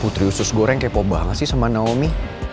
putri usus goreng kepo banget sih sama naomi